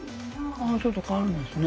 ちょっと変わるんですね。